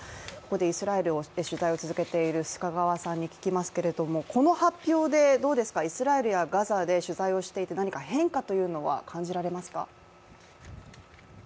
イスラエルの取材を続けている須賀川さんに聞きますけれどもこの発表で、イスラエルやガザで取材をしていてなにか変化というのは感じられますか？